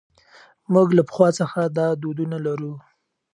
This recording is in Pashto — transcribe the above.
موږ له پخوا څخه دا دودونه لرو.